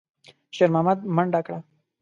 شېرمحمد منډه کړه.